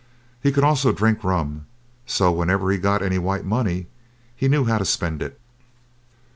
He could also drink rum; so whenever he got any white money he knew how to spend it.